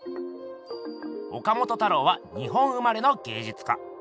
岡本太郎は日本生まれの芸術家。